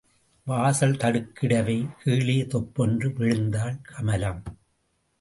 வாசல் தடுக்கிடவே, கீழே தொப்பென்று விழுந்தாள் கமலம்.